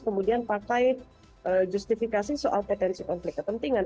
kemudian pakai justifikasi soal potensi konflik kepentingan